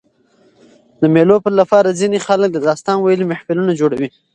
د مېلو له پاره ځيني خلک د داستان ویلو محفلونه جوړوي.